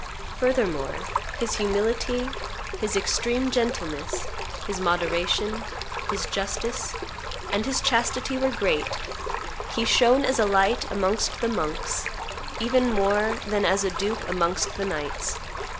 Furthermore, his humility, his extreme gentleness, his moderation, his justice, and his chastity were great; he shone as a light amongst the monks, even more than as a duke amongst the knights.